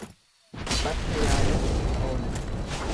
Bakka yaadan hin olan.